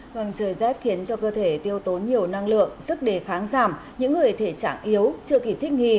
hoàng trời rét khiến cho cơ thể tiêu tố nhiều năng lượng sức đề kháng giảm những người thể trạng yếu chưa kịp thích nghì